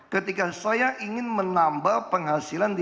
ketika saya ingin menambah penghasilan di dki